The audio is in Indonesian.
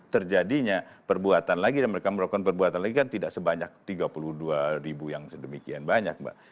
terjadinya perbuatan lagi dan mereka melakukan perbuatan lagi kan tidak sebanyak tiga puluh dua ribu yang sedemikian banyak mbak